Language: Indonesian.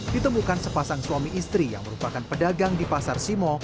ditemukan sepasang suami istri yang merupakan pedagang di pasar simo